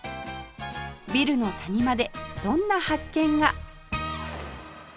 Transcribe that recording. ビルの谷間でどんな発見が？